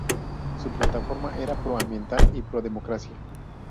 Su plataforma era pro-ambiental y pro-democracia.